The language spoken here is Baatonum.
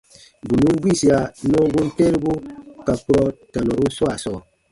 Bù nùn gbiisia nɔɔ gum tɛ̃ɛnibu ka kurɔ tanɔrun swaa sɔɔ.